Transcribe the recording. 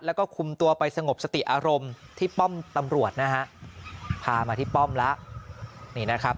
แล้วก็คุมตัวไปสงบสติอารมณ์ที่ป้อมตำรวจนะฮะพามาที่ป้อมแล้วนี่นะครับ